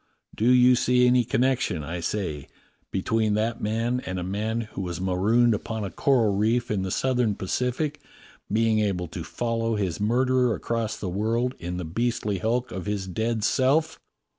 Do you see any connection, I say, between that man and a man who was marooned upon a coral reef in the Southern Pacific being able to follow his murderer across the world in the beastly hulk of his dead self